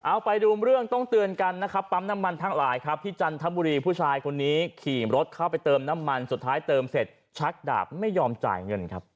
เอาไปดูเรื่องต้องเตือนกันนะครับปั๊มน้ำมันทั้งหลายครับที่จันทบุรีผู้ชายคนนี้ขี่รถเข้าไปเติมน้ำมันสุดท้ายเติมเสร็จชักดาบไม่ยอมจ่ายเงินครับ